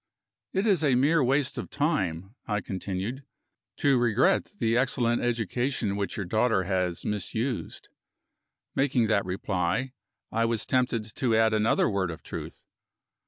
"It is mere waste of time," I continued, "to regret the excellent education which your daughter has misused." Making that reply, I was tempted to add another word of truth.